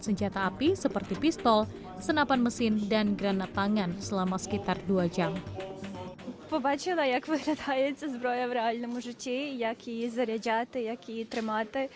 senjata api seperti pistol senapan mesin dan granat tangan selama sekitar dua jam